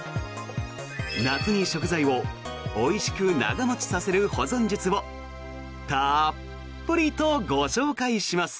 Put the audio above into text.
夏に食材をおいしく長持ちさせる保存術をたっぷりとご紹介します。